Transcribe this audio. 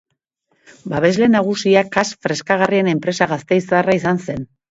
Babesle nagusia Kas freskagarrien enpresa gasteiztarra izan zen.